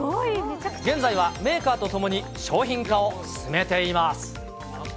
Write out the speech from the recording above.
現在はメーカーと共に商品化を進めています。